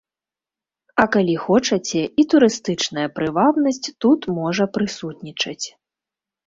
А калі хочаце, і турыстычная прывабнасць тут можа прысутнічаць.